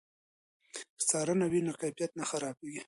که څارنه وي نو کیفیت نه خرابېږي.